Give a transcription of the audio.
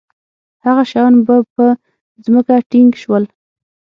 هغه شیان به په ځمکه ټینګ شول.